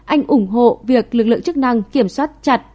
anh ủng hộ việc lực lượng chức năng kiểm soát chặt